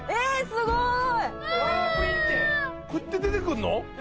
すごい。